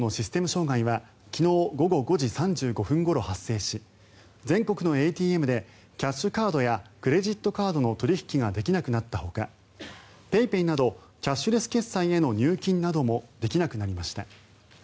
障害は昨日午後５時３５分ごろ発生し全国のＡＴＭでキャッシュカードやクレジットカードの取引ができなくなったほかＰａｙＰａｙなどキャッシュレス決済への入金などもできなくなりました。